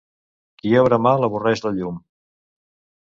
Qui obra mal avorreix la llum.